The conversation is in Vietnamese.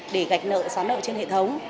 để gạch nợ xóa nợ trên hệ thống